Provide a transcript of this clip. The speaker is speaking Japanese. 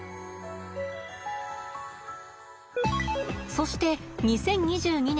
そして２０２２年秋。